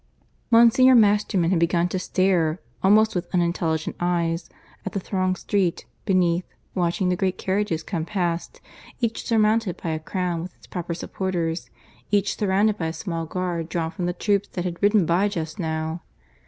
... Monsignor Masterman had begun to stare, almost with unintelligent eyes, at the thronged street, beneath, watching the great carriages come past, each surmounted by a crown with its proper supporters, each surrounded by a small guard drawn from the troops that had ridden by just now.